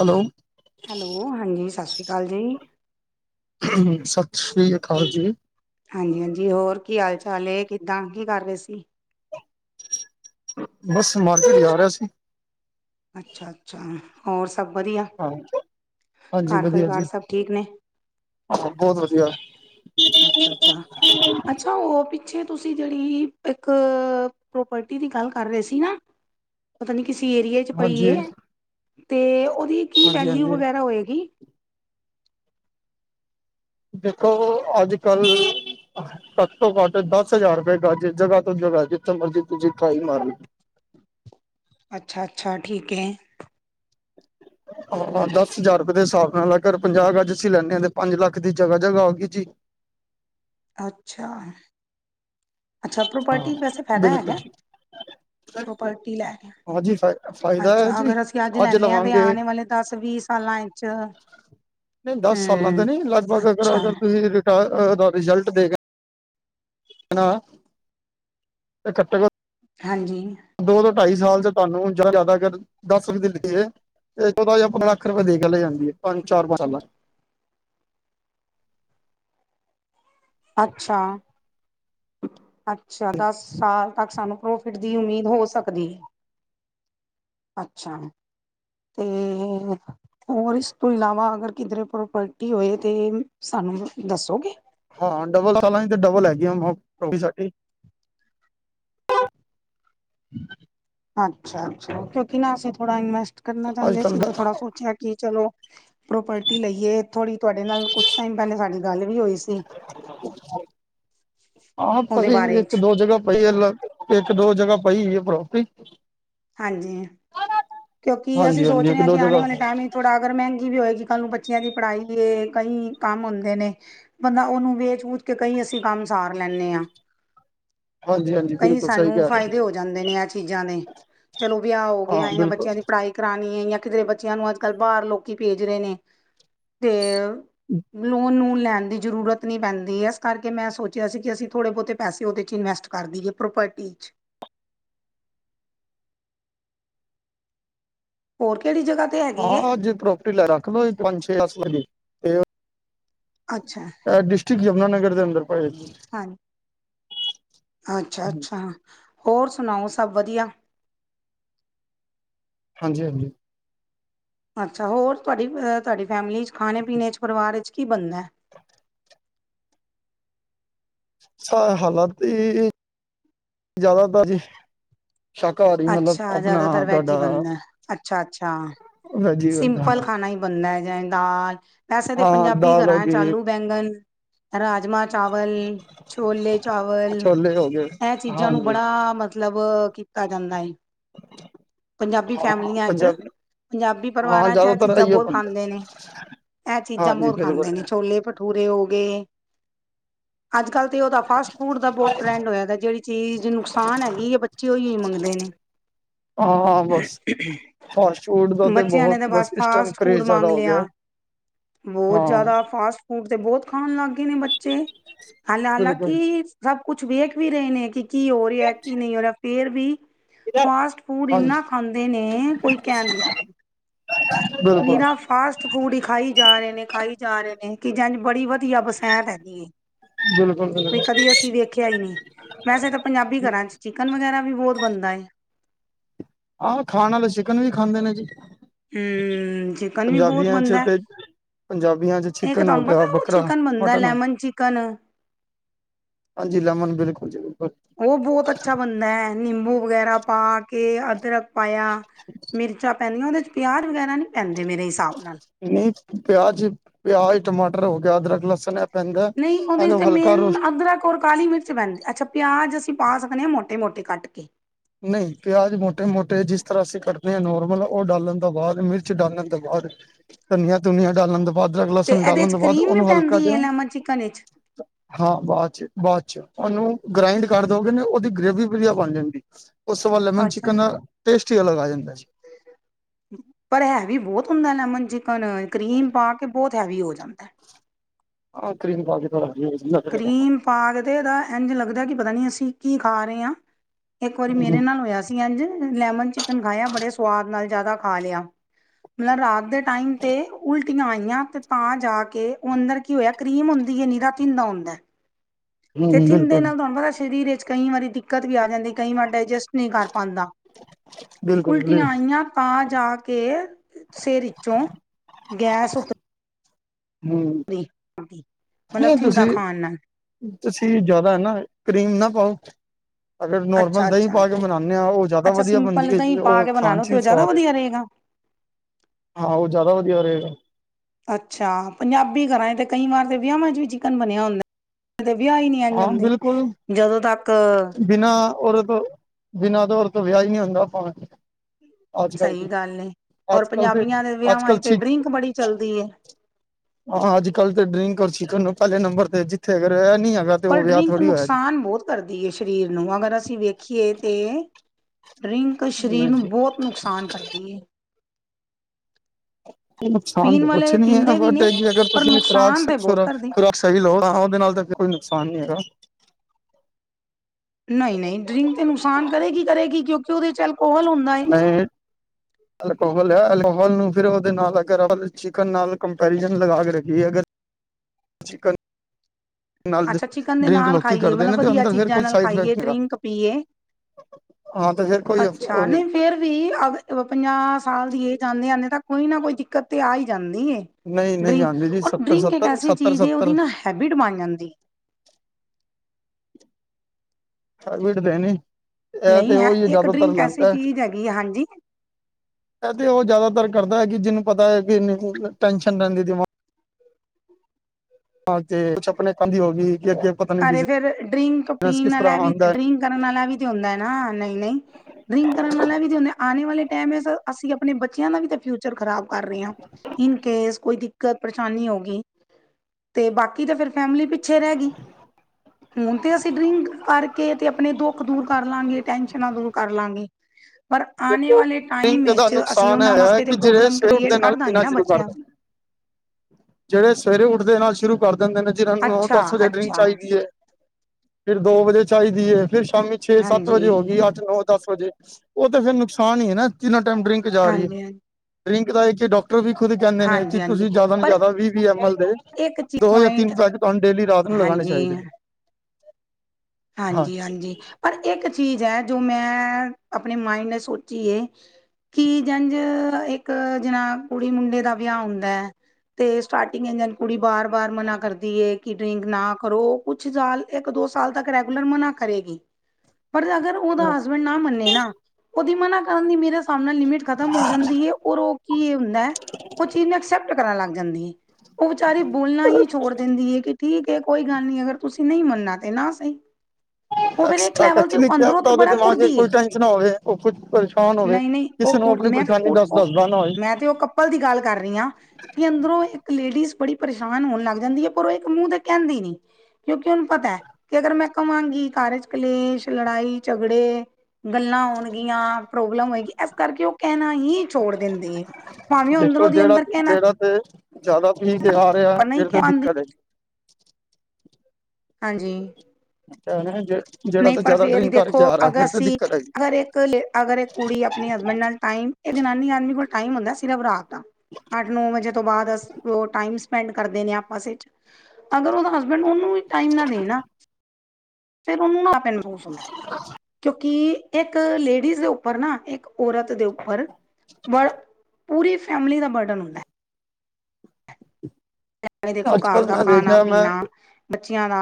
Hello. Hello ਹਾਂਜੀ, ਸਤਿ ਸ਼੍ਰੀ ਅਕਾਲ ਜੀ। ਸਤਿ ਸ਼੍ਰੀ ਅਕਾਲ ਜੀ। ਹਾਂਜੀ- ਹਾਂਜੀ ਹੋਰ ਕੀ ਹਾਲ ਚਾਲ ਹੈ ਕਿਦਾਂ ਕੀ ਕਰ ਰਹੇ ਸੀ। ਹਾਂ। ਬਸ ਮਾਰਕਟ ਜਾ ਰਿਹਾ ਸੀ। ਅੱਛਾ ਅੱਛਾ ਹੋਰ ਸਭ ਵਧੀਆ। ਹਾਂ ਹਾਂਜੀ ਘਰ ਵਧੀਆ ਪਰਿਵਾਰ ਜੀ ਸਭ ਠੀਕ ਨੇ ਬਹੁਤ ਵਧੀਆ ਅੱਛਾ ਅੱਛਾ ਅੱਛਾ ਉਹ ਪਿੱਛੇ ਤੁਸੀਂ ਜਿਹੜੀ ਇੱਕ ਪ੍ਰੋਪਰਟੀ ਦੀ ਗੱਲ ਕਰ ਰਹੇ ਸੀ ਨਾ ਪਤਾ ਨੀ ਕਿਸੇ ਏਰੀਏ ਚ ਪਈਏ ਹਾਂਜੀ, ਤੇ ਉਹਦੀ ਕੀ ਹਾਂਜੀ, ਵੈਲਿਊ ਹਾਂਜੀ। ਵਗੈਰਾ ਹੋਏਗੀ। ਦੇਖੋ ਅੱਜ ਕੱਲ੍ਹ ਘੱਟੋ ਘੱਟ ਦਸ ਹਜ਼ਾਰ ਰੁਪਏ ਗਜ ਜਗ੍ਹਾ ਤੋਂ ਜਗ੍ਹਾ ਜਿੱਥੇ ਮਰਜ਼ੀ ਤੁਸੀਂ ਖਾਈ ਮਾਰੀ ਅੱਛਾ ਅੱਛਾ ਠੀਕ ਹੈ। ਹਾਂ ਦਸ ਹਜ਼ਾਰ ਰੁਪਏ ਦੇ ਹਿਸਾਬ ਨਾਲ ਪੰਜਾਹਜ ਅਸੀਂ ਲੈਂਦੇ ਹਾਂ ਤੇ ਪੰਜ ਲੱਖ ਦੀ ਜਗ੍ਹਾ ਜਗ੍ਹਾ ਹੋਗੀ ਜੀ ਅੱਛਾ ਅੱਛਾ ਪ੍ਰੋਪਰਟੀ 'ਚ ਵੈਸੇ ਫ਼ਾਇਦਾ ਬਿਲਕੁਲ ਹੈਗਾ ਜੀ, ਉਹ ਪਟੀ ਲੈ ਕੇ ਹਾਂਜੀ ਫਾ ਗਿਆ ਫਾਇਦਾ ਹੈ ਅੱਛਾ ਜੀ। ਅਗਰ ਅਸੀਂ ਅੱਜ ਲੈਂਦੇ ਹਾਂ ਤੇ ਲਵਾਂਗੇ ਆਣ ਵਾਲੇ ਦਸ ਵੀਹ ਸਾਲਾਂ ਨਹੀਂ ਦਸ ਸਾਲਾਂ ਹਮ ਦਾ ਨੀ ਲਗਭਗ ਅਗਰ ਅੱਛਾ ਅਗਰ ਤੁਸੀਂ ਰਿਜਲਟ ਦੇ ਹਨਾ ਖੱਟ ਹਾਂਜੀ। ਦੋ ਤੋਂ ਢਾਈ ਸਾਲ ਚ ਤੁਹਾਨੂੰ ਜ਼ਿਆਦਾ ਦੱਸਏ ਇਹ ਚੌਦਾਂ ਜ ਪੰਦਰਾਂ ਲੱਖ ਰੁਪਏ ਦੇ ਕੇ ਲੈ ਜਾਂਦੀ ਹੈ ਪਾਣੀ ਚਾਰ ਪੰਜਸਾਲਾਂ ਅੱਛਾ। ਅੱਛਾ ਦਸ ਸਾਲ ਤੱਕ ਸਾਨੂੰ ਪ੍ਰੋਫਿਟ ਦੀ ਉਮੀਦ ਹੋ ਸਕਦੀ ਹੈ। ਅੱਛਾ ਤੇ ਹੋਰ ਇਸ ਤੋਂ ਇਲਾਵਾ ਅਗਰ ਕਿਧਰੇ ਪ੍ਰੋਪਰਟੀ ਹੋਏ ਤੇ ਸਾਨੂੰ ਦੱਸੋਗੇ ਹਾਂ ਡਬਲ ਚਾਲ ਨਹੀਂ ਤਾਂ ਡਬਲ ਹੈਗੇ ਟੋਫੀ ਸਾ ਅੱਛਾ ਅੱਛ ਕਿਉਂਕਿ ਨਾ ਅਸੀਂ ਥੋੜਾ ਇਨਵੈਸਟ ਕਰਨਾ ਅੱਜ ਚਾਹੁੰਦੇ ਕੱਲ ਸੀ ਦਾ ਤਾਂ ਥੋੜਾ ਸੋਚਿਆ ਜੀ ਚਲੋ ਪ੍ਰੋਪਰਟੀ ਲਈਏ ਥੋੜ੍ਹੀ ਤੁਹਾਡੇ ਨਾਲ ਕੁਛ ਟਾਈਮ ਪਹਿਲੇ ਸਾਡੀ ਗੱਲ ਵੀ ਹੋਈ ਸੀ। ਹਾਂ ਭ ਉਹਦੇ ਬਾਰੇ ਇਹ ਚ ਦੋ ਜਗ੍ਹਾ ਪਾਈ ਇੱਕ ਦੋ ਜਗ੍ਹਾ ਪਈ ਹੈ ਪ੍ਰੋਪਰਟੀ ਹਾਂਜੀ, ਕਿਉਂਕਿ ਅਸੀਂ ਹਾਂਜੀ ਹਾਂਜੀ ਸੋਚ ਰਹੇ ਇੱਕ ਹਾਂ ਦੋ ਕਿ ਆਣੇ ਜਗ੍ਹਾ ਵਾਲੇ ਟਾਈਮ ਵਿੱਚ ਥੋੜ੍ਹਾ ਅਗਰ ਮਹਿੰਗੀ ਵੀ ਹੋਏਗੀ ਕੱਲ੍ਹ ਨੂੰ ਬੱਚਿਆਂ ਦੀ ਪੜ੍ਹਾਈ ਕਈ ਕੰਮ ਹੁੰਦੇ ਨੇ। ਬੰਦਾ ਉਹਨੂੰ ਵੇਚ ਵੂਚ ਕੇ ਕਈ ਅਸੀਂ ਕੰਮ ਸਾਰ ਲੈਂਦੇ ਹਾਂ। ਹਾਂਜੀ ਹਾਂਜੀ ਕਈ ਬਿਲਕੁਲ ਸਹੀ ਸਾਨੂੰ ਕਹਿ ਰਹੇ ਫਾਇਦੇ ਹੋ ਜਾਂਦੇ ਨੇ ਇਹ ਚੀਜ਼ਾਂ ਦੇ ਚਲੋ ਵਿਆਹ ਹੋ ਤੁਸੀਂ ਹਾਂ ਗਿਆ ਜਾਂ ਬਿਲਕੁਲ ਬੱਚਿਆਂ ਦੀ ਕਰਾਣੀ ਹੈ ਜਾਂ ਕਿਧ ਬੱਚਿਆਂ ਨੂੰ ਅੱਜ ਕੱਲ ਬਾਹਰ ਲੋਕੀ ਭੇਜ ਰਹੇ ਨੇ ਤੇ ਲੋਨ ਲੂਣ ਲੈਣ ਦੀ ਜ਼ਰੂਰਤ ਨਹੀਂ ਪੈਂਦੀ ਇਸ ਕਰਕੇ ਮੈਂ ਸੋਚਿਆ ਸੀ ਕਿ ਅਸੀਂ ਥੋੜੇ ਬਹੁਤੇ ਪੈਸੇ ਉਹਦੇ ਚ ਇਨਵੈਸਟ ਕਰਦੀਏ ਪ੍ਰੋਪਰਟੀ ਚ ਹੋਰ ਕਿਹੜੀ ਜਗ੍ਹਾ ਤੇ ਹੈਗੀ ਏ ਹਾਂ, ਅੱਜੇ ਪ੍ਰੋਪਰਟੀ ਲੈ ਰੱਖ ਲਓ ਪੰਜ ਛੇ ਅਸ ਵੇ ਤੇ ਅੱਛਾ। ਡਿਸਟ੍ਰਿਕਟ ਜਮੁਨਾਨਗਰ ਦੇ ਅੰਦਰ ਪ ਹਾਂਜੀ। ਅੱਛਾ ਹਾਂਜੀ -ਅੱਛਾ। ਹੋਰ ਸੁਣਾਓ ਸਭ ਵਧੀਆ। ਹਾਂਜੀ-ਹਾਂਜੀ। ਅੱਛਾ ਹੋਰ ਤੁਹਾਡੀ ਤੁਹਾਡੀ ਫੈਮਿਲੀ 'ਚ ਖਾਣੇ ਪੀਣੇ 'ਚ ਪਰਿਵਾਰ 'ਚ ਕੀ ਬੰਦਾ ਹਾਲਾਤ ਹੀ ਜ਼ਿਆਦਾ ਤਾ ਜੀ। ਸ਼ਾਕਾਹਾਰੀ ਮਤਲਬ ਅੱਛਾ ਆਪਣਾ ਜ਼ਿਆਦਾਤਰ ਵੈਜ ਹੀ ਤੁਹਾਡਾ ਬਣਦਾ ਹੈ। ਅੱਛਾ- ਅੱਛਾ। ਵੈਜੀ ਸਿੰਪਲ ਖਾਣਾ ਹੀ ਬਣਦਾ ਹੈ ਜੋ ਦਾਲ। ਵੈਸੇ ਤਾਂ ਹਾਂ ਪੰਜਾਬੀ ਦਾਲ ਹੋ ਘਰਾਂ ਚ ਗਈ ਆਲੂ ਬੈਂਗਣ, ਰਾਜਮਾਂ। ਚਾਵਲ, ਛੋਲੇ, ਚਾਵਲ ਛੋਲੇ ਹੋ ਗਏ ਇਹ ਚੀਜ਼ਾਂ ਨੂੰ ਹਾਂਜੀ ਬੜਾ, ਮਤਲਬ ਮਤਲਬ ਕੀਤਾ ਜਾਂਦਾ ਹੈ। ਪੰਜਾਬੀ ਹਾਂ ਫੈਮਲੀਆਂ ਚ, ਪੰਜਾਬੀ ਪੰਜਾਬੀ ਹਾਂ ਪਰਿਵਾਰਾਂ ਚ ਇਹ ਜ਼ਿਆਦਾਤਰ ਚੀਜ਼ਾਂ ਆਈਓ ਬਹੁਤ ਬਣਦਾ ਖਾਂਦੇ ਨੇ। ਇਹ ਚੀਜ਼ਾਂ ਹਾਂਜੀ ਬਹੁਤ ਖਾਂਦੇ ਬਿਲਕੁਲ ਨੇ, ਛੋਲੇ ਭਟੂਰੇ ਹੋ ਗਏ। ਅੱਜ ਕਲ ਤੇ ਉਹਦਾ ਫਾਸਟ ਫੂਡ ਦਾ ਬਹੁਤ ਟਰੈਂਡ ਹੋਇਆ ਜਿਹੜੀ ਚੀਜ਼ ਨੁਕਸਾਨ ਹੈਗੀ ਆ ਬੱਚੇ ਉਹੀ। ਦੇ ਨੇ ਹਾਂ ਹਾਂ ਬਸ ਫਾਸਟ ਫੂਡ ਦਾ ਤੇ ਬੱਚਿਆਂ ਨੇ ਤਾਂ ਬਹੁਤ ਬਸ ਇਸ ਟਾਈਮ ਫਾਸਟ ਫੂਡ ਕਰੇਜ਼ ਜ਼ਿਆਦਾ ਮੰਗ ਹੋ ਗਿਆ ਲਿਆ, ਬਹੁਤ ਹਾਂ ਜ਼ਿਆਦਾ ਫਾਸਟ ਫੂਡ ਤੇ ਬਹੁਤ ਖਾਣ ਲੱਗ ਗਏ ਨੇ ਬੱਚੇ, ਹਾਲ ਬਿਲਕੁਲ ਹਾਲਾਂਕਿ ਸਭ ਕੁਛ ਵੇਖ ਵੀ ਰਹੇ ਨੇ, ਕੀ ਹੋ ਰਿਹਾ ਕੀ ਨਹੀਂ ਹੋ ਰਿਹਾ ਫੇਰ ਵੀ ਫਾਸਟ ਫੂਡ ਇੰਨਾ ਹਾਂਜੀ ਖਾਂਦੇ ਨੇ, ਕੋਈ ਕਹਿਣ ਦੀ ਆਦ ਬਿਲਕੁਲ, ਫਾਸਟ ਫੂਡ ਹੀ ਖਾਈ ਜਾ ਰਹੇ ਨੇ, ਖਾਈ ਜਾ ਰਹੇ ਨੇ ਕਿ ਜਾਂ ਬੜੀ ਵਧੀਆ ਬਸਹਿਤ ਹੈਗੀ। ਬਿਲਕੁਲ ਬਿਲਕੁਲ ਵੀ ਕਦੀ ਅਸੀਂ ਦੇੇਖਿਆ ਹੀ ਨਹੀਂ। ਵੈਸੇ ਤਾਂ ਪੰਜਾਬੀ ਘਰਾਂ 'ਚ ਚਿਕਨ ਵਗੈਰਾ ਵੀ ਬਹੁਤ ਬਣਦਾ ਏ। ਆਹ ਖਾਣ ਵਾਲੇ ਚਿਕਨ ਵੀ ਖਾਂਦੇ ਨੇ ਜੀ, ਹੂੰ ਚਿਕਨ ਵੀ ਬਹੁਤ ਪੰਜਾਬੀਆਂ ਚ ਬਣਦਾ ਤੇ ਪੰਜਾਬੀਆਂ ਚ ਇੱਕ ਚਿਕਨ ਹੋ ਤੁਹਾਨੂੰ ਗਿਆ, ਪਤਾ ਉਹ ਬੱਕਰਾ, ਚਿਕਨ ਬਣਦਾ ਮਟਨ ਹੋ ਗਿਆ। ਲੈਮਨ ਚਿਕਨ ਹਾਂਜੀ, ਲਮਨ ਬਿਲਕੁਲ ਜੀ ਬਿਲਕੁਲ। ਉਹ ਬਹੁਤ ਅੱਛਾ ਬਣਦਾ ਹੈ, ਨਿੰਬੂ ਵਗੈਰਾ ਪਾ ਕੇ ਅਦਰਕ ਪਾਇਆ। ਮਿਰਚਾਂ ਪੈਂਦੀਆਂ ਉਹਦੇ 'ਚ ਪਿਆਜ਼ ਵਗੈਰਾ ਨਹੀਂ ਪੈਂਦੇ ਮੇਰੇ ਹਿਸਾਬ ਨਾਲ ਨੀ ਪਿਆਜ, ਪਿਆਜ ਟਮਾਟਰ ਹੋ ਗਿਆ ਲਸਣ ਅਦਰਕ- ਨਹੀਂ ਉਹਦੇ ਚ ਤੇ ਮੇਨ ਅਦਰਕ ਔਰ ਕਾਲੀ ਮਿਰਚ ਪੈਂਦੀ। ਅੱਛਾ ਪਿਆਜ਼ ਅਸੀਂ ਪਾ ਸਕਦੇ ਹਾਂ ਮੋਟੇ- ਮੋਟੇ ਕੱਟ ਕੇ। ਨਹੀਂ, ਪਿਆਜ ਮੋਟੇ- ਮੋਟੇ ਜਿਸ ਤਰ੍ਹਾਂ ਅਸੀਂ ਕੱਟਦੇ ਹਾਂ ਨੋਰਮਲ ਉਹ ਡਾਲਣ ਤੋਂ ਬਾਅਦ ਮਿਰਚ ਡਾਲਣ ਤੋਂ ਬਾਅਦ। ਧਨੀਆ ਧੁਨੀਆਂ ਡਾਲਣ ਤੋਂ ਬਾਅਦ ਅਦਰਕ ਤੇ ਲਸਣ ਇਹਦੇ ਡਾਲਣ ਚ ਤੋਂ ਬਾਅਦ ਕਰੀਮ ਵੀ ਉਹਨੂੰ ਹਲਕਾ ਜਿ ਪੈਂਦੀ ਹੈ ਲੈਮਨ ਚਿਕਨ ਵਿੱਚ ਹਾਂ, ਬਾਅਦ ਚ, ਬਾਅਦ ਚ ਉਹਨੂੰ ਗ੍ਰਾਇੰਡ ਕਰ ਦੋਗੇ ਨਾ ਉਹਦੀ ਗ੍ਰੇਵੀ ਵਧੀਆ ਬਣ ਜਾਂਦੀ। ਉਸ ਤੋਂ ਬਾਅਦ ਲੈਮਨ ਅੱਛਾ ਚਿਕਨ ਦਾ, ਟੇਸਟ ਹੀ ਅਲੱਗ ਆ ਜਾਂਦਾ ਜ ਪਰ ਹੈਵੀ ਬਹੁਤ ਹੁੰਦਾ ਲੈਮਨ ਚਿਕਨ ਕਰੀਮ ਪਾ ਕੇ ਬਹੁਤ ਹੈਵੀ ਹੋ ਜਾਂਦਾ। ਹਾਂ ਕ੍ਰੀਮ ਪਾ ਕੇ ਹੈਵੀ ਹੋ ਜਾਂਦਾ ਏ ਪਾਕੇ ਤੇ ਇਹਦਾ ਇੰਝ ਲੱਗਦਾ ਕੀ ਪਤਾ ਨੀ ਅਸੀਂ ਕੀ ਖਾ ਰਹੇ ਹਾਂ ਇੱਕ ਵਾਰੀ ਮੇਰੇ ਨਾਲ ਹੋਇਆ ਸੀ। ਇੰਝ ਲੈਮਨ ਚਿਕਨ ਖਾਇਆ ਬੜੇ ਸਵਾਦ ਨਾਲ ਜ਼ਿਆਦਾ ਖਾ ਲਿਆ। ਮਤਲਬ ਰਾਤ ਦੇ ਟਾਈਮ ਤੇ ਉਲਟੀਆਂ ਆਈਆਂ ਤੇ ਤਾਂ ਜਾ ਕੇ ਉਹ ਅੰਦਰ ਕੀ ਹੋਇਆ ਕਰੀਮ ਹੁੰਦੀ ਨੀ ਈ ਧਿੰਂਦਾ ਹੁੰਦਾ। ਤੇ ਹੂੰ ਥਿੰਨ ਦੇ ਬਿਲਕੁਲ ਨਾਲ ਤੁਹਾਨੂੰ ਪਤਾ ਸਰੀਰ ਵਿੱਚ ਕਈ ਵਾਰੀ ਦਿੱਕਤ ਵੀ ਆ ਜਾਂਦੀ ਕਈ ਵਾਰ ਡਾਇਜੈਸਟ ਨਹੀਂ ਕਰ ਪਾਉਂਦਾ, ਬਿਲਕੁਲ ਉਲਟੀਆਂ ਆਈਆਂ। ਤਾਂ ਜਾ ਕੇ, ਸਿਰ ਵਿੱਚੋਂ ਗੈਸ ਉਤਰ, ਹੂੰ, ਹਾਂ ਮਤਲਬ ਨਹੀਂ ਧਿੰਦਾ ਤੁਸੀਂ ਖਾਣ ਨਾਲ। ਤੁਸੀਂ ਜਿਆਦਾ ਨਾ, ਕਰੀਮ ਨਾ ਪਾਓ। [unintelligible] ਅਗਰ [unintelligible] ਅੱਛਾ, ਨੋਰਮਲ ਦਹੀਂ ਅੱਛਾ, ਪਾ ਕੇ ਬਣਾਨੇ ਆ ਉਹ ਜ਼ਿਆਦਾ ਅੱਛਾ, ਵਧੀਆ ਬਣਦੀ ਸਿੰਪਲ ਹੈ ਦਹੀਂ ਜੀ ਪਾ ਉਹ ਕੇ ਬਣਾ ਖਾਣ ਲੋ ਚ ਤੇ ਵੀ ਉਹ ਜ਼ਿਆਦਾ ਸਵਾਦ ਹੈ ਵਧੀਆ ਰਹੇਗਾ। [unintelligible] [unintelligible] ਹਾਂ ਉਹ ਜ਼ਿਆਦਾ ਵਧੀਆ ਰਹੇਗਾ। ਅੱਛਾ, ਪੰਜਾਬੀ ਘਰਾਂ ਤੇ ਕਈ ਵਾਰ ਤੇ ਵਿਆਹਾ ਚ ਵੀ ਚਿਕਨ ਬਣਿਆ ਹੁੰਦਾ। ਅਰੇ ਵਿਆਹੀ ਨਹੀ ਆਈ ਹਾਂ ਹੁੰਦੀ, ਬਿਲਕੁਲ ਜਦੋਂ ਤੱਕ ਬਿਨਾਂ ਰੇ ਤੋਂ ਬਿਨਾਂ ਤਾਂ ਰੇ ਤੋਂ ਵਿਆਹ ਹੀ ਨਹੀਂ ਹੁੰਦਾ ਭ ਸਹੀ ਗੱਲ, ਔਰ ਅੱਜ ਕੱਲ ਤੇ ਪੰਜਾਬੀਆਂ ਦੇ ਅੱਜ ਵਿਆਹਾਂ ਕੱਲ ਤੇ ਚ ਡਰਿੰਕ ਬੜੀ ਚੱਲਦੀ ਐ। ਹਾਂ, ਅੱਜ ਕੱਲ੍ਹ ਤੇ ਡਰਿੰਕ ਸਿਖਣ ਨੂੰ ਪਹਿਲੇ ਨੰਬਰ ਤੇ ਜਿੱਥੇਗ ਨੀ ਹੈਗਾ। ਤੇ ਪਰ ਉਹ ਵਿਆਹ ਡਰਿੰਕ ਥੋੜ੍ਹੀ ਹੋਇਆ ਜੀ। ਨੁਕਸਾਨ ਬਹੁਤ ਕਰਦੀ ਹੈ ਸਰੀਰ ਨੂੰ ਅਗਰ ਅਸੀਂ ਵੇਖੀਏ ਤੇ ਡਰਿੰਕ ਸਰੀਰ ਨੂੰ ਬਹੁਤ ਨੁਕਸਾਨ ਕਰਦੀ ਹੈ। ਨੁਕਸਾਨ ਪੀਣ ਤਾਂ ਕੁਛ ਵਾਲੇ ਨੀ ਹੈ ਪੀਂਦੇ ਵੀ ਬਟ ਨੇ ਇਹਗੀ ਅਗਰ ਪਰ ਤੁਸੀਂ ਵੀ ਖੁਰਾਕ ਨੁਕਸਾਨ ਤੇ ਬਹੁਤ ਕਰਦੀ [unintelligible] ਸਹੀ ਲੋ ਹਾਂ ਉਹਦੇ ਨਾਲ ਤਾਂ ਕੋਈ ਨੁਕਸਾਨ ਨੀ ਹੈਗਾ। ਨਹੀਂ ਨਹੀਂ ਡਰਿੰਕ ਤੇ ਨੁਕਸਾਨ ਕਰੇਗੀ, ਕਰੇਗੀ ਕਿਉਂਕਿ ਉਹਦੇ ਚ ਅਲਕੋਹਲ ਹੁੰਦਾ ਹੈ। ਨਹੀਂ। ਅਲਕੋਹਲ ਹੈ, ਅਲਕੋਹਲ ਨੂੰ ਫਿਰ ਉਹਦੇ ਨਾਲ ਅਗਰ ਆਪਾਂ ਚਿਕਨ ਨਾਲ ਕੰਪੈਰੀਜ਼ਨ ਲਗਾ ਕੇ ਰੱਖੀਏ ਅਗਰ ਚਿਕਨ ਨਾਲ ਅੱਛਾ ਚਿਕਨ ਦੇ ਡਰਿੰਕ ਨਾਲ ਲੋਕੀ ਖਾਈਏ ਕਰਦੇ ਮਤਲਬ ਨੇ ਤੇ ਵਧੀਆ ਅੰਦਰ ਫਿਰ ਚੀਜ਼ਾਂ ਕੋਈ ਨਾਲ ਸਾਈਡ ਖਾਈਏ ਇਫੈਕਟ ਨੀ ਹੈਗਾ ਡਰਿੰਕ ਪੀਏ। ਹਾਂ ਤੇ ਫਿਰ ਕੋਈ ਅੱਛਾ ਉਹ ਨੀ ਨਹੀਂ ਫੇਰ ਵੀ ਅਗਰ ਪੰਜਾਹ ਸਾਲ ਦੀ ਏਜ ਆਂਦੇ-ਆਦੇ ਤਾਂ ਕੋਈ ਨਾ ਕੋਈ ਦਿੱਕਤ ਤੇ ਆਈ ਜਾਂਦੀ ਏ। ਨਹੀਂ ਨਹੀਂ ਡਰਿੰਕ ਹਾਂਜੀ ਜੀ ਔਰ ਸੱਤਰ ਡਰਿੰਕ ਇੱਕ ਸੱਤਰ ਐਸੀ ਸੱਤਰ ਚੀਜ਼ ਉਹਦੀ ਸੱਤਰ ਨਾ ਹੈਬਿਟ ਬਣ ਜਾਂਦੀ। ਹੈਬਿਟ ਤੇ ਨੀ ਇਹ ਨਹੀਂ ਹੈ ਇੱਕ ਡਰਿੰਕ ਐਸੀ ਹੈ। ਚੀਜ਼ ਹੈਗੀ ਹੈ ਹਾਂਜੀ। ਇਹ ਤੇ ਉਹ ਜ਼ਿਆਦਾਤਰ ਕਰਦਾ ਹੈ ਕਿ ਜਿਹਨੂੰ ਪਤਾ ਹੈ ਵੀ ਟੈਨਸ਼ਨ ਰਹਿੰਦੀ ਦਿਮਾਗ ਤੇ ਕੁਛ ਆਪਣੇੇਪਣ ਦੀ ਹੋ ਗਈ ਕਿ ਅੱਗੇ ਪਤਾ ਨੀ ਪਰ ਫੇਰ ਡਰਿੰਕ ਬਿਜਨਸ ਪੀਣ ਕਿਸ ਤਰ੍ਹਾਂ ਵਾਲਾ ਵੀ ਆਉਂਦਾ ਹੈ ਡਰਿੰਕ ਕਰਨ ਵਾਲਾ ਵੀ ਤੇ ਹੁੰਦਾ ਹੈ ਨਾ ਨਹੀਂ ਨਹੀਂ। ਡਰਿੰਗ ਕਰਨ ਵਾਲਾ ਵੀ ਹੁੰਦੇ ਆਣੇ ਵਾਲੇ ਟਾਈਮ ਅਸੀਂ ਆਪਣੇ ਬੱਚਿਆਂ ਦਾ ਵੀ ਤਾਂ ਫਿਊਚਰ ਖਰਾਬ ਕਰ ਰਹੇ ਹਾ ਇਨ ਕੇਸ ਕੋਈ ਦਿੱਕਤ ਪਰੇਸ਼ਾਨੀ ਹੋ ਗਈ ਤੇ ਬਾਕੀ ਤਾਂ ਫਿਰ ਫੈਮਲੀ ਪਿੱਛੇ ਰਹਿ ਗਈ। ਹੁਣ ਤੇ ਅਸੀਂ ਡਰਿੰਕ ਕਰਕੇ ਤੇ ਆਪਣੇ ਦੁੱਖ ਦੂਰ ਕਰ ਲਾਂਗੇ ਟੈਸ਼ਨਾਂ ਦੂਰ ਕਰ ਲਾਗੇ। [unintelligible] ਪਰ ਆਣੇ ਦੇਖੋ ਵਾਲੇ ਟਾਈਮ ਡਰਿੰਕ ਦਾ ਵਿੱਚ ਅਸੀਂ ਨੁਕਸਾਨ ਉਹਨਾਂ ਹੈਗਾ ਵਾਸਤੇ ਕਿ ਜਿਹੜੇ ਪ੍ਰੋਬਲਮ ਸਵੇਰੇ ਕ੍ਰੀਏਟ ਉੱਠਦੇ ਨਾਲ ਕਰ ਦਾਂਗੇ ਪੀਣਾ ਨਾ ਸ਼ੁਰੂ ਕਰ ਬੱਚਿਆਂ [unintelligible] ਦਿੰਦੇ ਜਿਹੜੇ ਸਵੇਰੇ ਉੱਠਦੇ ਨਾਲ ਸ਼ੁਰੂ ਕਰ ਦਿੰਦੇ ਨੇ ਜਿਹਨਾਂ ਨੂੰ ਨੌ ਦਸ ਵਜੇ ਡਰਿੰਕ ਅੱਛਾ-ਅੱਛਾ ਚਾਹੀਦੀ ਹੈ। ਫਿਰ ਦੋ ਵਜੇ ਚਾਹੀਦੀ ਹੈ ਫੇਰ ਸ਼ਾਮੀ ਛੇ ਸੱਤ ਵਜੇ ਹੋ ਹਾਂਜੀ, ਗਈ ਅੱਠ ਨੌ ਦਸ ਵਜੇ ਉਹ ਤਾਂ ਫੇਰ ਨੁਕਸਾਨ ਹੀ ਹੈ। ਤਿੰਨਾਂ ਟਾਈਮ ਡਰਿੰਕ ਜਾ ਰਹੀ ਹਾਂਜੀ, ਹਾਂਜੀ, ਹੈ। ਡਿੰਕ ਦਾ ਇੱਕ ਡਾਕਟਰ ਵੀ ਖੁਦ ਕਹਿੰਦੇ ਨੇ ਹਾਂਜੀ, ਕਿ ਹਾਂਜੀ ਤੁਸੀਂ ਜ਼ਿਆਦਾ ਨੂੰ ਪਰ ਜ਼ਿਆਦਾ ਵੀਹ ਵੀਹ ਐਮ ਐਲ ਦੇ ਇੱਕ ਚੀ ਦੋ ਜਾਂ ਪੁਆਇੰਟ ਤਿੰਨ ਪੈਗ ਤੁਹਾਨੂੰ ਡੇਲੀ ਰਾਤ ਨੂੰ ਲਗਾਉਣੇ ਹਾਂਜੀ, ਚਾਹੀਦੇ। ਹਾਂ ਹਾਂਜੀ, ਹਾਂਜੀ ਪਰ ਇੱਕ ਚੀਜ਼ ਹੈ ਜੋ ਮੈਂ ਆਪਣੇ ਮਾਇੰਡ ਨੇ ਸੋਚੀ ਏ। ਕੀ ਜੰਝ ਇੱਕ ਜਿਨਾ ਕੁੜੀ ਮੁੰਡੇ ਦਾ ਵਿਆਹ ਹੁੰਦਾ ਹੈ। ਤੇ ਸਟਾਰਟਿੰਗ ਇਜ ਕੁੜੀ ਬਾਰ, ਬਾਰ ਮਨਾ ਕਰਦੀ ਏ ਕਿ ਡਰਿੰਕ ਨਾ ਕਰੋ ਕੁਛ ਸਾਲ ਇੱਕ ਦੋ ਸਾਲ ਤੱਕ ਰੈਗੂਲਰ ਮਨਾ ਕਰੇਗੀ ਪਰ ਅਗਰ ਉਹਦਾ ਹਸਬੈਂਡ ਨਾ ਮੰਨੇ ਨਾ ਉਹਦੀ ਮਨਾ ਕਰਨ ਦੀ ਮੇਰੇ ਹਿਸਾਬ ਨਾਲ ਲਿਮਿਟ ਖ਼ਤਮ ਹੋ ਜਾਂਦੀ ਏ ਔਰ ਉਹ ਕੀ ਇਹ ਹੁੰਦਾ ਐ ਉਹ ਚੀਜ਼ ਨੂੰ ਐਕਸੈਪਟ ਕਰਨ ਲੱਗ ਜਾਂਦੀ ਏ ਉਹ ਵਿਚਾਰੀ ਬੋਲਣਾ ਹੀ ਛੋੜ ਦਿੰਦੀ ਏ ਕਿ ਠੀਕ ਏ ਕੋਈ ਗੱਲ ਨੀ ਅਗਰ ਤੁਸੀਂ ਨਈ ਮੰਣਨਾ ਤੇ ਨਾ ਸਹੀ। ਉਹ ਫੇਰ ਇੱਕ ਲੈਵਲ ਤੇ ਐਕਚੁਲੀ ਕਿਆ ਅੰਦਰੋਂ ਪਤਾ ਤੇ ਉਹਦੇ ਬੜਾ ਦਿਮਾਗ 'ਚ ਉਠਦੀ ਕੋਈ ਏ, ਟੈਨਸ਼ਨ ਹੋਵੇ ਉਹ ਕੁਛ ਪਰੇਸ਼ਾਨ ਹੋਵੇ ਨਈ-ਨਈ। ਉਹ ਕਿਸੇ ਨੂੰ ਕੁੜ ਆਪਣੀ ਮੈਂ ਤੇ ਪਰੇਸ਼ਾਨੀ ਕੁੜ ਦੱਸ ਉਹ ਦੱਸਦਾ ਨਾ ਹੋਏ ਮੈਂ ਤੇ ਉਹ ਕੱਪਲ ਦੀ ਗੱਲ ਕਰ ਰਹੀ ਆ। ਕਿ ਅੰਦਰੋਂ ਇੱਕ ਲੇਡੀਜ਼ ਬੜੀ ਪਰੇਸ਼ਾਨ ਹੋਣ ਲੱਗ ਜਾਂਦੀ ਏ ਪਰ ਉਹ ਇਹ ਮੂੰਹ ਤੇ ਕਹਿੰਦੀ ਨੀ। ਕਿਉਂਕਿ ਉਹਨੂੰ ਪਤਾ ਕਿ ਅਗਰ ਮੈਂ ਕਵਾਗੀ ਘਰ 'ਚ ਕਲੇਸ਼, ਲੜਾਈ, ਝਗੜੇ ਗੱਲਾਂ ਹੋਣਗੀਆਂ ਪ੍ਰੋਬਲਮ ਹੋਏਗੀ ਇਸ ਕਰਕੇ ਉਹ ਕਹਿਣਾ ਹੀ ਛੋੜ ਦਿੰਦੀ ਏ। ਭਾਵੇ ਦੇਖੋ ਅੰਦਰੋਂ ਦੀ ਜਿਹੜਾ ਅੰਦਰ ਕਹਿਣਾ ਜਿਹੜਾ ਤੇ ਜ਼ਿਆਦਾ ਪੀ ਕੇ ਆ ਰਿਹਾ ਉਹ ਨਹੀ ਫਿਰ ਤੇ ਕਹਿੰਦੀ, ਦਿੱਕਤ ਹੈਗੀ ਹਾਂਜੀ। ਅ ਜਿਹੜਾ ਨਹੀਂ ਤਾਂ ਪਰ ਜ਼ਿਆਦਾ ਫੇਰ ਵੀ ਡਰਿੰਕ ਕਰਕੇ ਦੇਖੋ ਆ ਰਿਹਾ ਅਗਰ ਫੇਰ ਤਾਂ ਅਸੀਂ ਦਿੱਕਤ ਹੈਗੀ‌। ਅਗਰ ਇੱਕ ਅਗਰ ਇਹ ਕੁੜੀ ਆਪਣੇ ਹਸਬੈਂਡ ਨਾਲ ਟਾਈਮ ਇਹ ਜਨਾਨੀ ਆਦਮੀ ਕੋਲ ਟੈਮ ਹੁੰਦਾ ਸਿਰਫ ਰਾਤ ਅੱਠ ਨੋ ਵਜੇ ਤੋਂ ਬਾਅਦ ਅਸ ਉਹ ਟਾਇਮ ਸਪੈਂਡ ਕਰਦੇ ਨੇ ਆਪਸ ਚ ਅਗਰ ਉਹਦਾ ਹਸਬੈਂਡ ਉਹਨੂੰ ਟਾਈਮ ਨਾ ਦੇ ਨਾ ਫਿਰ ਉਹਨੂੰ ਨਾ ਆਪੇ ਮਹਿਸੂਸ ਹੁੰਦਾ, ਕਿਉਂਕਿ ਇੱਕ ਲੇਡੀਜ਼ ਦੇ ਉੱਪਰ ਨਾ ਇੱਕ ਔਰਤ ਦੇ ਉੱਪਰ ਬੜਾ ਪੂਰੀ ਫੈਮਿਲੀ ਦਾ ਬਰਡਨ ਹੁੰਦਾ ਐ। ਦੇਖੋ ਅੱਜ ਘਰ ਕੱਲ ਦਾ ਮੈਂ ਖਾਣਾ ਦੇਖਿਆ ਮੈਂ ਪੀਣਾ ਬੱਚਿਆਂ ਦਾ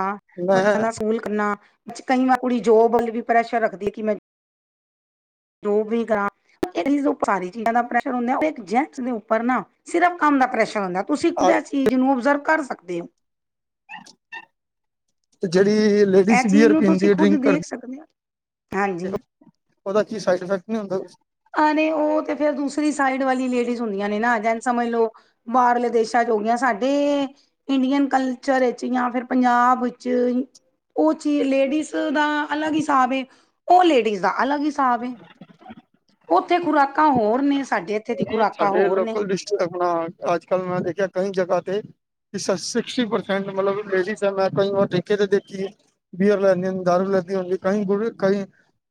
ਬੱਚਿਆਂ ਮੈਂ ਦਾ ਸਕੂਲ ਕਰਨਾ। ਕਈ ਵਾਰ ਕੁੜੀ ਜੋਬ ਵੱਲ ਵੀ ਪ੍ਰੈਸ਼ਰ ਰੱਖਦੀ ਏ ਕਿ ਮੈਂ ਜੋਬ ਵੀ ਕਰਾਂ। ਚਾਰੀ ਚੀਜ਼ਾਂ ਦਾ ਪ੍ਰੈਸ਼ਰ ਹੁੰਦਾ ਉਹ ਜੈਟਸ ਦੇ ਉੱਪਰ ਨਾ ਸਿਰਫ਼ ਕੰਮ ਦਾ ਪ੍ਰੈਸ਼ਰ ਹੁੰਦਾ ਐ। ਤੁਸੀਂ ਖੁਦ ਐ ਚੀਜ਼ ਨੂੰ ਓਬਜ਼ਰਵ ਕਰ ਸਕਦੇ ਓ। ਤੇ ਜਿਹੜੀ ਇਹ ਲੇਡੀਜ਼ ਚੀਜ਼ ਬੀਅਰ ਨੂੰ ਪੀਂਦੀ ਤੁਸੀਂ ਏ ਖੁਦ ਡਰਿੰਕ ਕਰ ਦੇਖ ਸਕਦੇ ਹੋ ਹਾਂਜੀ ਉਹਦਾ ਕੀ ਸਾਈਡ ਇਫੈਕਟ ਨੀ ਹੁੰਦਾ ਕ ਆ ਰੇ ਉਹ ਤੇ ਫੇਰ ਦੂਸਰੀ ਸਾਈਡ ਵਾਲੀ ਲੇਡੀਜ਼ ਹੁੰਦੀਆਂ ਨੇ ਨਾ ਜਾ ਇਝ ਸਮਝ ਲੋ ਬਾਹਰਲੇ ਦੇਸਾਂ ਜੋ ਹੋਗਿਆਂ ਸਾਡੇ ਇੰਡੀਅਨ ਕਲਚਰ ਇਹ ਚੀਆ ਫਿਰ ਪੰਜਾਬ ਵਿੱਚ ਉਹ ਚੀ ਲੇਡੀਜ਼ ਦਾ ਅਲੱਗ ਹਿਸਾਬ ਏ। ਉਹ ਲੇਡੀਜ਼ ਦਾ ਅਲੱਗ ਹਿਸਾਬ ਏ, ਉੱਥੇ ਖੁਰਾਕਾਂ ਹੋਰ ਨੇ। ਸਾਡੇ ਇੱਥੇ ਦੀ ਖੁਰਾਕਾਂ ਸਾਡੇ ਹੋਰ ਨੇ। ਲੋਕਲ ਡਿਸਟ੍ਰਿਕ ਆਪਣਾ ਅੱਜਕੱਲ੍ਹ ਮੈਂ ਦੇਖਿਆ ਕਈ ਜਗ੍ਹਾ ਤੇ ਕਿ ਸਿਕਸਟੀ ਪਰਸੈਂਟ ਮਤਲਬ ਲੇਡੀਜ਼ ਐ ਮੈਂ ਕਈ ਵਾਰ ਠੇਕੇ ਤਾਂ ਦੇਖੀ ਐ ਬੀਅਰ ਲੈਦੀ ਦਾਰੂ ਲੈਦੀ ਕਈ ਗੁੜ ਕਈ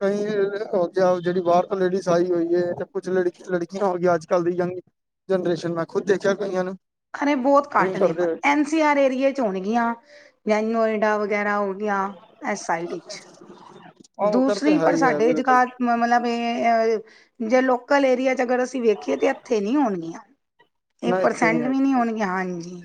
ਕਈ ਹੋ ਗਿਆ ਜਿਹੜੀ ਬਾਹਰ ਤੋਂ ਲੇਡੀਜ਼ ਆਈ ਹੋਈ ਏ ਜਾਂ ਕੁੱਛ ਲੜਕਿਆ ਲੜਕੀ ਹੋ ਗਿਆ ਅੱਜ ਕੱਲ੍ਹ ਦੀ ਯੰਗ ਜਨਰੇਸ਼ਨ ਮੈਂ ਖੁਦ ਦੇਖਿਆ ਕਈਆਂ ਨੂੰ। ਅਰੇ ਬਹੁਤ ਕਾਟ ਡਰਿੰਕ ਨੇ ਕਰਦੇ ਪਰ ਹੋਏ ਐ ਐਨ ਸੀਂ ਆਰ ਏਰੀਏ 'ਚ ਹੋਣਗੀਆਂ ਯ ਨੋਇਡਾ ਵਗੈਰਾ ਹੋ ਗਿਆ ਇਸ ਸਾਈਡ ਵਿੱਚ। [inaudible] ਤੇ ਦੂਸਰੀ ਹੈ ਪਰ ਹੀ ਹੈ ਸਾਡੇ ਬਿਲਕੁਲ ਜਗਾ ਮਤਲਬ ਇਹ ਅਹ ਜੇ ਲੋਕਲ ਏਰੀਆ 'ਚ ਅਗਰ ਵੇਖੀਏ ਤੇ ਇਥੇ ਨੀ ਹੋਣਗੀਆਂ ਇੱਕ ਨਾ ਇੱਥੇ ਪਰਸੈਂਟ ਵੀ ਹੈਗੀ ਨੀ ਹੋਣਗੀਆਂ ਹਾਂਜੀ।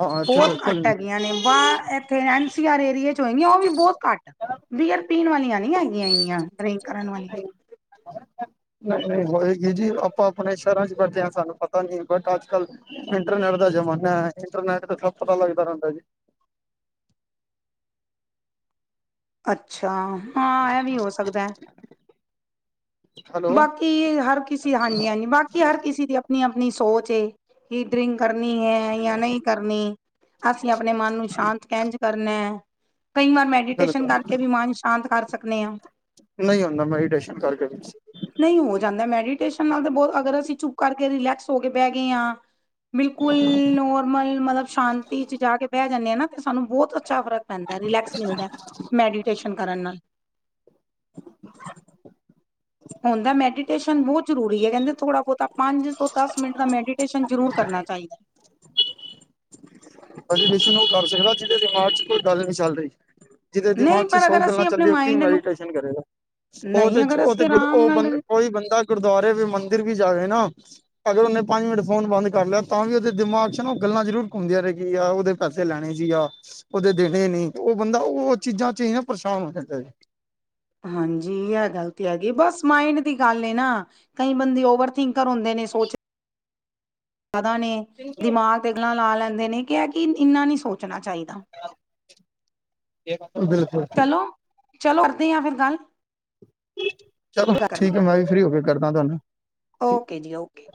ਹਾਂ ਇੱਥੇ ਬਹੁਤ ਲੋਕਲ ਘੱਟ ਨੀ ਹੈਗੀ ਹੈਗੀਆਂ ਨੇ ਵਾਹ ਇਹ ਫੇਰ ਐਨ ਸੀ ਆਰ ਏਰੀਏ 'ਚ ਹੋਏ ਗਿਆਂ ਉਹ ਵੀ ਬਹੁਤ ਘੱਟ ਬੀਅਰ ਪੀਣ ਵਾਲੀਆਂ ਨੀ ਹੈਗੀਆਂ ਇੰਨੀਆਂ ਡਰਿੰਕ ਕਰਨ ਵਾਲੀਆਂ [inaudible] ਨਹੀਂ ਨਹੀਂ ਹੋਏਗੀ ਜੀ ਆਪਾਂ ਆਪਣੇ ਸ਼ਹਿਰਾਂ ਚ, ਬੈਠੇ ਹਾਂ। ਸਾਨੂੰ ਪਤਾ ਨੀ ਬਟ ਅੱਜ ਕੱਲ੍ਹ ਇੰਟਰਨੈਟ ਦਾ ਜ਼ਮਾਨਾ ਹੈ ਇੰਟਰਨੈਟ ਤੇ ਸਭ ਪਤਾ ਲਗਦਾ ਰਹਿੰਦਾ ਜੀ ਅੱਛਾ! ਹਾਂ ਇਹ ਵੀ ਹੋ ਸਕਦਾ। ਹੈਲੋ ਬਾਕੀ ਹਰ ਕਿਸੀ ਹਾਂਜੀ ਹਾਂਜੀ ਬਾਕੀ ਹਰ ਕਿਸੇ ਦੀ ਆਪਣੀ ਆਪਣੀ ਸੋਚ ਏ ਈ ਡਰਿੰਕ ਕਰਨੀ ਹੈ ਜਾਂ ਨਹੀਂ ਕਰਨੀ ਅਸੀਂ ਆਪਣੇ ਮਨ ਨੂੰ ਸ਼ਾਂਤ ਕੇਝ ਕਰਨਾ ਹੈ। ਕਈ ਵਾਰ ਮੈਡੀਟੇਸ਼ਨ ਬਿਲਕੁਲ ਕਰਕੇ ਵੀ ਮਨ ਸ਼ਾਂਤ ਕਰ ਸਕਦੇ ਹਾਂ। ਨਹੀਂ ਹੁੰਦਾ ਮੈਡੀਟੇਸ਼ਨ ਕਰਕੇ ਨਹੀਂ ਹੋ ਜਾਂਦਾ ਮੈਡੀਟੇਸ਼ਨ ਨਾਲ ਤਾਂ ਬਹੁਤ ਅਗਰ ਅਸੀਂ ਚੁੱਪ ਕਰਕੇ ਰਿਲੈਕਸ ਹੋ ਕੇ ਬਹਿ ਗਏ ਹਾਂ। ਬਿਲਕੁਲ ਨੋਰਮਲ ਮਤਲਬ ਸ਼ਾਂਤੀ ਚ, ਜਾ ਕੇ ਬੈਠ ਜਾਂਦੇ ਹ ਨਾ ਤੇ ਸਾਨੂੰ ਬਹੁਤ ਅੱਛਾ ਫ਼ਰਕ ਪੈਂਦਾ ਹੈ। ਰਿਲੈਕਸ ਮਿਲਦਾ, ਮੈਡੀਟੇਸ਼ਨ ਕਰਨ ਨਾਲ [inaudible] ਹੁੰਦਾ ਮੈਡੀਟੇਸ਼ਨ ਬਹੁਤ ਜ਼ਰੂਰੀ ਹੈ ਕਹਿੰਦੇ ਥੋੜ੍ਹਾ ਬਹੁਤਾ ਪੰਜ ਤੋਂ ਦੱਸ ਮਿੰਟ ਦਾ ਮੈਡੀਟੇਸ਼ਨ ਜ਼ਰੂਰ ਕਰਨਾ ਚਾਹੀਦਾ। ਮੈਡਿਟੇਸ਼ਨ ਉਹ ਕਰ ਸਕਦਾ ਜਿਹਦੇ ਦਿਮਾਗ ਚ ਕੋਈ ਗੱਲ ਨਹੀਂ ਚੱਲ ਰਹੀ। ਜਿਹਦੇ ਨਹੀਂ ਦਿਮਾਗ ਚ ਪਰ ਸੋ ਅਗਰ ਗੱਲਾਂ ਅਸੀਂ ਆਪਣੇ ਚੱਲੀਓ ਕਿ ਮਾਇੰਡ ਨੂੰ ਮੈਡੀਟੇਸ਼ਨ ਕਰੇਗਾ ਉਹ ਨਹੀਂ ਤੇ ਅਗਰ ਉਹ ਤੇ ਅਸੀਂ ਆਰਾਮ ਉਹ ਬੰ ਨਾਲ ਕੋਈ ਬੰਦਾ ਗੁਰਦੁਆਰੇ ਵੀ ਮੰਦਿਰ ਵੀ ਜਾਵੇ ਨਾ ਅਗਰ ਉਹਨੇ ਪੰਜ ਮਿੰਟ ਫੋਨ ਬੰਦ ਕਰ ਲਿਆ ਤਾਂ ਵੀ ਉਹਦੇ ਦਿਮਾਗ 'ਚ ਨਾ ਉਹ ਗੱਲਾਂ ਜ਼ਰੂਰ ਹੁੰਦਿਆਂ ਨੇ ਕੀ ਆ ਉਹਦੇ ਪੈਸੇ ਲੈਣੇ ਸੀ ਆ ਉਹਦੇ ਦੇਣੇ ਨੀ ਉਹ ਬੰਦਾ ਉਹ ਚੀਜ਼ਾਂ 'ਚ ਈ ਨਾ ਪਰੇਸ਼ਾਨ ਹੋ ਜਾਂਦਾ ਏ। ਹਾਂਜੀ ਐ ਗੱਲ ਤੇ ਹੈਗੀ ਬਸ ਮਾਇੰਡ ਦੀ ਗੱਲ ਏ ਨਾ ਕਈ ਬੰਦੇ ਓਵਰ ਥਿੰਕਰ ਹੁੰਦੇ ਨੇ ਸੋਚ ਪਤਾ ਨਹੀ ਨੇ ਦਿਮਾਗ ਤੇ ਇਨ੍ਹਾਂ ਲਾ ਲੈਂਦੇ ਨੇ ਕਿਹਾ ਕਿ ਇਨਾ ਨਹੀਂ ਸੋਚਣਾ ਚਾਹੀਦਾ। ਬਿਲਕੁਲ। ਚਲੋ ਚਲੋ ਕਰਦੇ ਆ ਫਿਰ ਗੱਲ। ਚਲੋ ਠੀਕ ਹੈ। ਕਰਨੇ ਆ ਮੈਂ ਵੀ ਫਰੀ ਹੋ ਕੇ ਕਰਦਾ ਤੁਹਾਨੂੰ। ਠੀਕ ਓਕੇ ਜੀ ਓਕੇ।